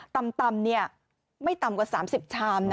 ตำไม่ต่ำกว่า๓๐ชามนะ